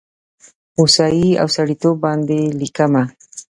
هوسايي او سړیتوب باندې لیکمه